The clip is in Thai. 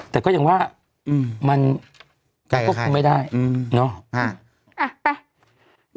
แต่ก็อย่างว่ามันกับไม่ได้เนอะ